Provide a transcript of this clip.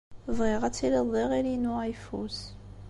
Bɣiɣ ad tiliḍ d iɣil-inu ayeffus.